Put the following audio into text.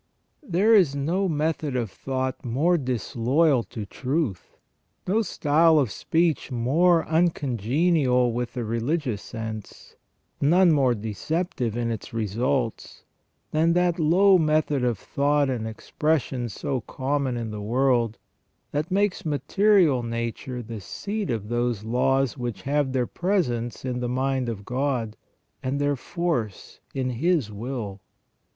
There is no method of thought more disloyal to truth, no style of speech more uncongenial with the religious sense, none more deceptive in its results, than that low method of thought and expression so common in the world, that makes material nature the seat of those laws which have their presence in the mind of THE SECONDARY IMAGE OF GOD IN MAN 59 God, and their force in His will.